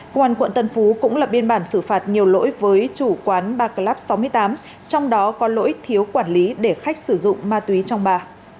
công an quận tân phú cũng lập biên bản xử phạt nhiều lỗi với chủ quán barclub sáu mươi tám trong đó có lỗi thiếu quản lý để khách sử dụng ma túy trong bà